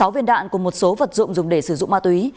sáu viên đạn cùng một số vật dụng dùng để sử dụng ma túy